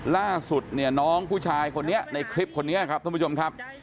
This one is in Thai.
ล่าสุดเนี่ยน้องผู้ชายคนนี้ในคลิปคนนี้ครับท่านผู้ชมครับ